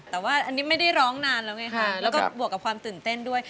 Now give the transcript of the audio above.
แต่ว่าอันนี้ไม่ได้ร้องนานแล้วไงค่ะแล้วก็บวกกับความตื่นเต้นด้วย